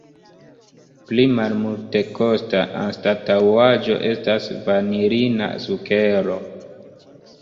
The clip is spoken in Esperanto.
Pli malmultekosta anstataŭaĵo estas vanilina sukero.